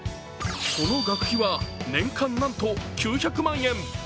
その学費は年間なんと９００万円。